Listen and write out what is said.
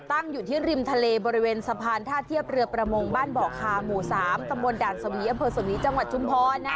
ตั้งอยู่ที่ริมทะเลบริเวณสะพานท่าเทียบเรือประมงบ้านบคหมู่สตดาลสวีอพสวิจังหวัดชุมพรนะ